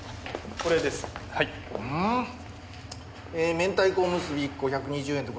えー「明太子おむすび１個１２０円」ってこれ。